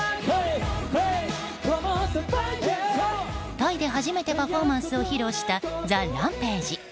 タイで初めてパフォーマンスを披露したＴＨＥＲＡＭＰＡＧＥ。